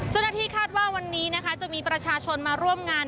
เจ้าหน้าที่คาดว่าวันนี้นะคะจะมีประชาชนมาร่วมงาน